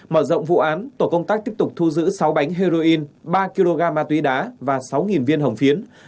mở rộng vụ án tổ công tác tiếp tục thu giữ sáu bánh heroin ba kg ma túy đá và sáu viên hồng phiến